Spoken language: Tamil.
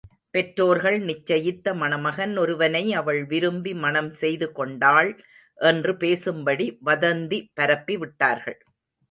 பெற்றோர்கள் நிச்சயித்த மணமகன் ஒருவனை அவள் விரும்பி மணம் செய்து கொண்டாள் என்று பேசும்படி வதந்தி பரப்பி விட்டார்கள்.